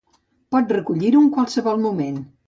Pot recollir-ho en qualsevol moment.